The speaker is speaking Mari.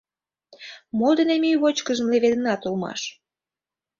Мо дене мӱй вочкыжым леведынат улмаш?